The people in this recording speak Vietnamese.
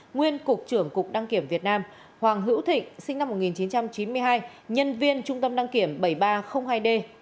nguyên cục trưởng cục đăng kiểm việt nam hoàng hữu thịnh sinh năm một nghìn chín trăm chín mươi hai nhân viên trung tâm đăng kiểm bảy nghìn ba trăm linh hai d